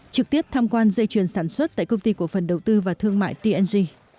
trực tiếp tham quan dây chuyền sản xuất tại công ty cổ phần đầu tư và thương mại tng